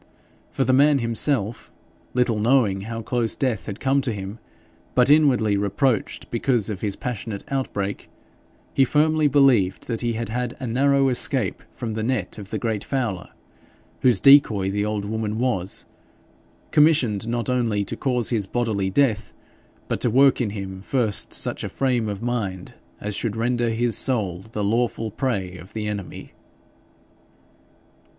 For the man himself, little knowing how close death had come to him, but inwardly reproached because of his passionate outbreak, he firmly believed that he had had a narrow escape from the net of the great fowler, whose decoy the old woman was, commissioned not only to cause his bodily death, but to work in him first such a frame of mind as should render his soul the lawful prey of the enemy.